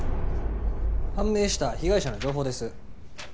判明した被害者の情報です